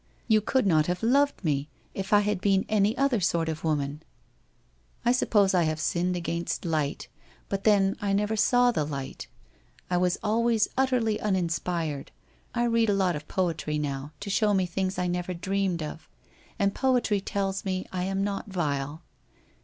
You could not have loved me if I had been any other sort of 346 WHITE ROSE OF WEARY LEAF woman. I suppose I have sinned against light, but then I never saw the light. I was always utterly uninspired, I read a lot of poetry now, to show me things I never dreamed of, and poetry tells me I am not vile.